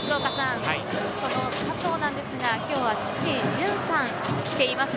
佐藤なんですが、今日は父・じゅんさん、来ています。